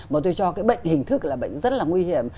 mà tôi cho cái bệnh hình thức là bệnh rất là nguy hiểm